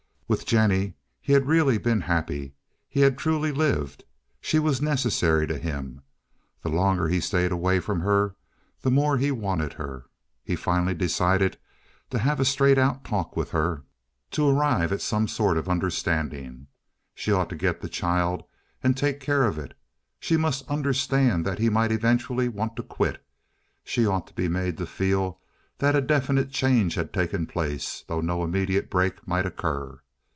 With Jennie he had really been happy, he had truly lived. She was necessary to him; the longer he stayed away from her the more he wanted her. He finally decided to have a straight out talk with her, to arrive at some sort of understanding. She ought to get the child and take care of it. She must understand that he might eventually want to quit. She ought to be made to feel that a definite change had taken place, though no immediate break might occur.